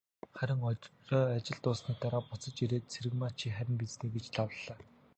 Харин орой ажил дууссаны дараа буцаж ирээд, "Цэрэгмаа чи харина биз дээ" гэж лавлалаа.